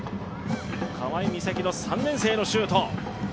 川井心咲、３年生のシュート。